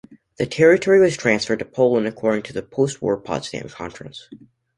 The territory was transferred to Poland according to the postwar Potsdam Conference.